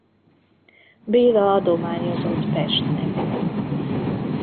Béla adományozott Pestnek.